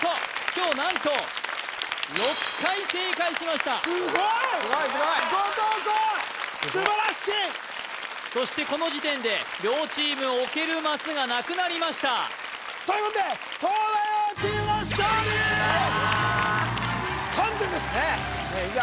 今日何と６回正解しましたすごいすごいすごい後藤弘素晴らしいそしてこの時点で両チーム置けるマスがなくなりましたということで東大王チームの勝利完全ですねえねっ伊沢